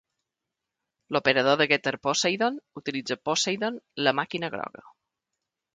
L'operador de Getter Poseidon utilitza Poseidon, la màquina groga.